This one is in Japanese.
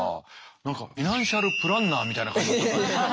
何かフィナンシャルプランナーみたいな感じ。